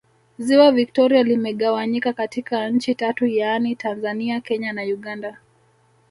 Ziwa Victoria limegawanyika katika nchi tatu yaani Tanzania Kenya na Uganda